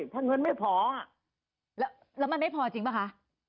ถ้าเงินไม่พอแล้วมันไม่พอจริงป่ะคะ